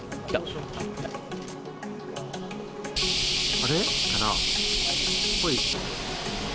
あれ？かな。